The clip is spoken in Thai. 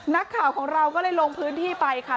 นักข่าวของเราก็เลยลงพื้นที่ไปค่ะ